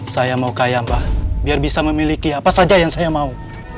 saya mau kaya mbak biar bisa memiliki apa saja yang saya mau